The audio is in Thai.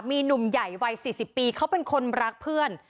มีหนุ่มใหญ่วัย๔๐ปีเขาเป็นคนรักเพื่อน